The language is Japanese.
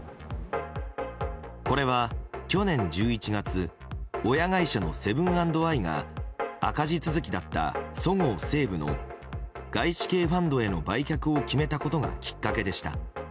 これは去年１１月親会社のセブン＆アイが赤字続きだった、そごう・西武の外資系ファンドへの売却を決めたことがきっかけでした。